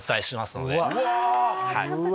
うわ！